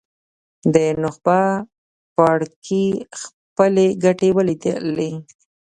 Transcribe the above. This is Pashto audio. د نخبه پاړکي خپلې ګټې ولیدلې.